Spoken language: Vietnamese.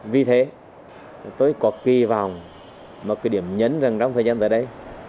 vì thế tôi có kỳ vọng một cái điểm nhấn rằng trong thời gian tới đây